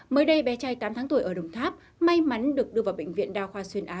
mới đây bé trai tám tháng tuổi ở đồng tháp may mắn được đưa vào bệnh viện đa khoa xuyên á